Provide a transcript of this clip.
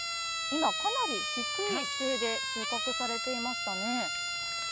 今かなり低い姿勢で収穫されていましたね。